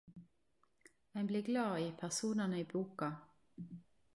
Ein blir glad i personane i boka.